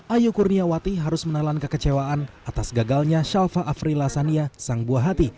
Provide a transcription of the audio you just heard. ayu kurniawati harus menelan kekecewaan atas gagalnya shalfa afri lasania sang buah hati